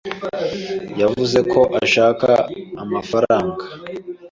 Yavuze ko ashaka amafaranga.